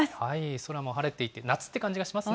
空も晴れていて、夏って感じがしますね。